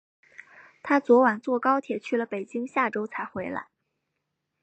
她昨晚坐高铁去了北京，下周才回来。